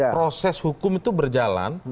proses hukum itu berjalan